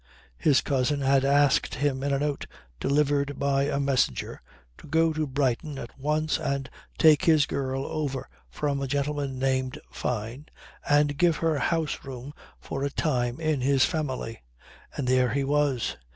His cousin had asked him in a note delivered by a messenger to go to Brighton at once and take "his girl" over from a gentleman named Fyne and give her house room for a time in his family. And there he was.